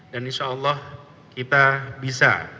dan insyaallah kita bisa